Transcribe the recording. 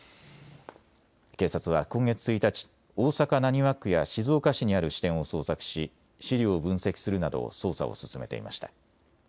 警察は今月１日、大阪浪速区や静岡市にある支店を捜索し資料を分析するなど捜査を進めていました。